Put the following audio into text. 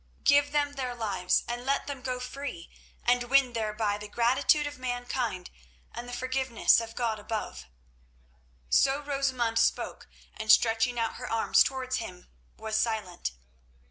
Give them their lives and let them go free, and win thereby the gratitude of mankind and the forgiveness of God above." So Rosamund spoke, and stretching out her arms towards him, was silent.